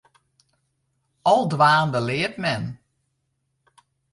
Al dwaande leart men.